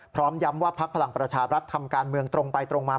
พร้อมย้ำว่าพักพลังประชาบรัฐทำการเมืองตรงไปตรงมา